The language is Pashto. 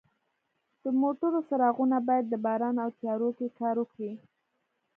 د موټرو څراغونه باید د باران او تیارو کې کار وکړي.